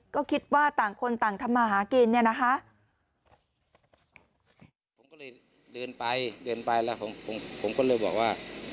ก็คิดว่าต่างคนต่างทำมาหากินเนี่ยนะคะ